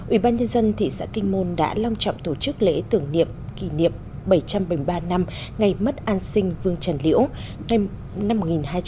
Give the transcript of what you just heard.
ubnd thị xã kinh môn đã long trọng tổ chức lễ tưởng niệm kỷ niệm bảy trăm bảy mươi ba năm ngày mất an sinh vương trần liễu năm một nghìn hai trăm năm mươi một hai nghìn hai mươi bốn